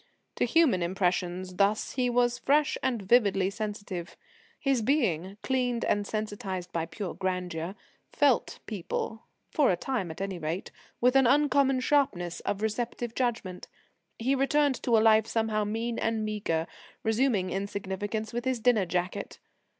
To human impressions thus he was fresh and vividly sensitive. His being, cleaned and sensitized by pure grandeur, "felt" people for a time at any rate with an uncommon sharpness of receptive judgment. He returned to a life somehow mean and meagre, resuming insignificance with his dinner jacket.